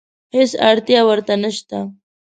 هېڅ اړتیا ورته نشته.